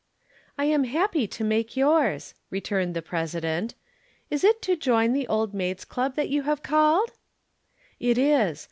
"I am happy to make yours," returned the President. "Is it to join the Old Maids' Club that you have called?" "It is.